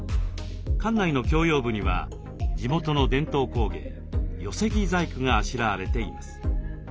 館内の共用部には地元の伝統工芸寄せ木細工があしらわれています。